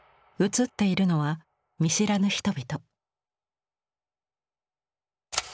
写っているのは見知らぬ人々。